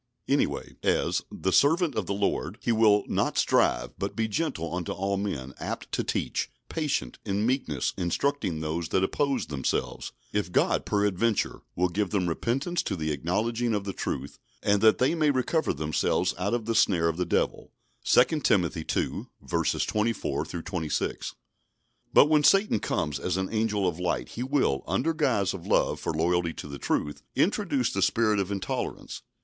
Anyway, as "the servant of the Lord," he will "not strive; but be gentle unto all men, apt to teach, patient, in meekness instructing those that oppose themselves; if God peradventure will give them repentance to the acknowledging of the truth; and that they may recover themselves out of the snare of the Devil" (2 Timothy ii. 24 26). But when Satan comes as an angel of light he will, under guise of love for and loyalty to the truth, introduce the spirit of intolerance.